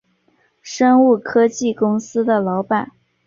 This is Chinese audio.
生物科技公司的老板